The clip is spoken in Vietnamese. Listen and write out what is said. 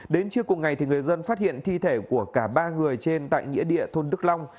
đến trưa cùng ngày người dân phát hiện thi thể của cả ba người trên tại nghĩa địa thôn đức long